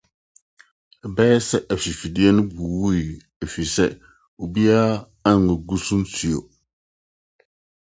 Ɛbɛyɛ sɛ afifide no wuwui efisɛ obiara amma so nsu.